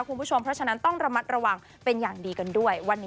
คุณผู้ชมเพราะฉะนั้นต้องระมัดระวังเป็นอย่างดีกันด้วยวันนี้